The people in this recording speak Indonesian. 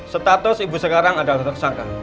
status ibu sekarang adalah tersangka